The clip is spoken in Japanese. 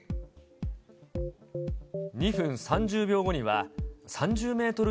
２分３０秒後には、３０メートル